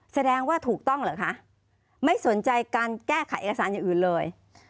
แสดงว่าถูกต้องเหรอคะไม่สนใจการแก้ไขเอกสารอย่างอื่นเลย